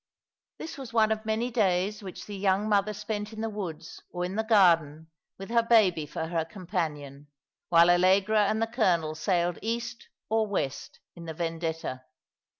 This was one of many days which the young mother spent in the woods or in the garden with her baby for her com panion, while Allegra and the colonel sailed east or west in the Vendetta.